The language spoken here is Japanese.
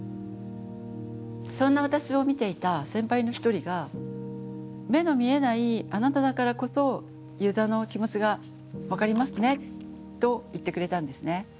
そんな私を見ていた先輩の一人が「目の見えないあなただからこそユーザーの気持ちが分かりますね」と言ってくれたんですね。